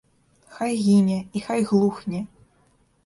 Хай гіне і хай глухне.